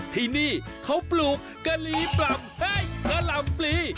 ที่นี่เขาปลูกกะลีปล่ำให้กะหล่ำปลี